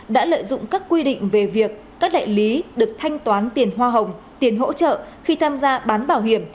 đã lợi dụng các quy định về việc các đại lý được thanh toán tiền hoa hồng tiền hỗ trợ khi tham gia bán bảo hiểm